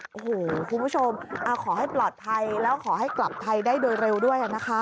โอ้โหคุณผู้ชมขอให้ปลอดภัยแล้วขอให้กลับไทยได้โดยเร็วด้วยนะคะ